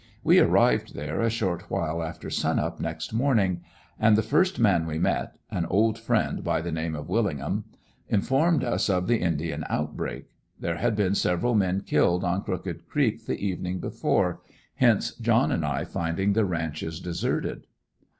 We arrived there a short while after sun up next morning; and the first man we met an old friend by the name of Willingham informed us of the indian outbreak. There had been several men killed on Crooked Creek the evening before hence John and I finding the ranches deserted.